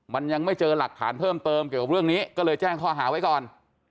มันยังไม่เจอหลักฐานเพิ่มเติมเกี่ยวกับเรื่องนี้ก็เลยแจ้งข้อหาไว้ก่อน